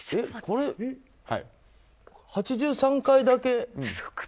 これ、８３回だけ。